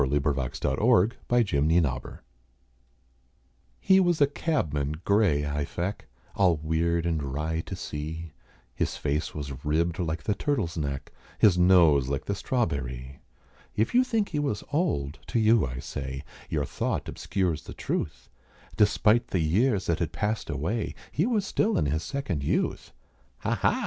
[Illustration: A Ward in the Chancerie] He WAS a cabman grey I feck, All weird and wry to see; His face was ribbed like the turtle's neck, His nose like the strawberrie. If you think he was old, to you I say, Your thought obscures the truth Despite the years that had passed away, He was still in his second youth. "Ha! ha!"